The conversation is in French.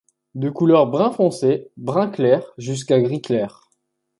De couleur brun foncé, brun clair jusqu'à gris clair.